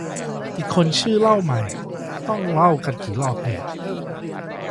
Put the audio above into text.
อีกคนชื่อเล่าใหม่ ต้องเล่ากันกี่รอบเนี่ย